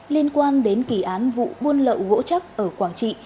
liên quan đến kỳ án vụ buôn lậu gỗ chắc ở quảng trị